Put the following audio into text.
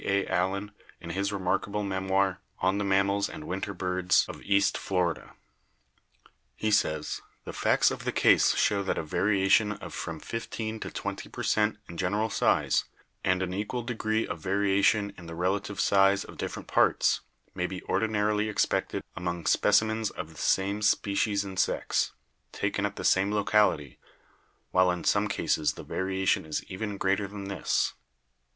A. Allen in his remark able memoir, 'On the Mammals and "Winter Birds of East Florida.' He says: "The facts of the case show that a variation of from 15 to 20 per cent, in general size, and an equal degree of variation in the relative size of different parts, may be ordinarily expected among specimens of the same species and sex, taken at the same locality, while in some cases the variation is even greater than this."